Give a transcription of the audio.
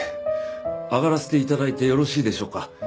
上がらせて頂いてよろしいでしょうか？